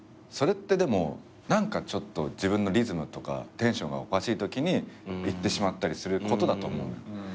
それってでも何かちょっと自分のリズムとかテンションがおかしいときに言ってしまったりすることだと思う。